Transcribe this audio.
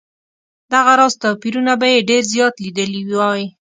دغه راز توپیرونه به یې ډېر زیات لیدلي وای.